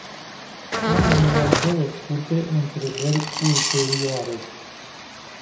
Am numai două scurte întrebări ulterioare.